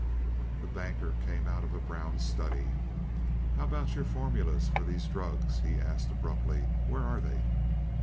The Banker came out of a brown study. "How about your formulas for these drugs?" he asked abruptly; "where are they?"